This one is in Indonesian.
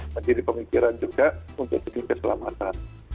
menjadi pemikiran juga untuk demi keselamatan